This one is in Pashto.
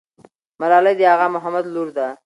ملالۍ د اغا محمد لور ده.